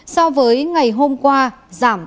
so với ngày hôm qua giảm tám vụ